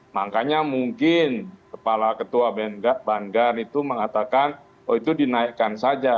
makanya mungkin kepala ketua bandar itu mengatakan oh itu dinaikkan saja